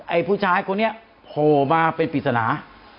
ผู้ชายคนนี้โผล่มาเป็นปริศนา